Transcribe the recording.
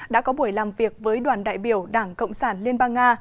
đã có buổi làm việc với đoàn đại biểu đảng cộng sản liên bang nga